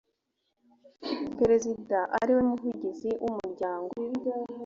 perezida ariwe muvugizi w umuryango